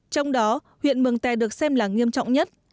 trong đó huyện mường tè được xem là nghiêm trọng nhất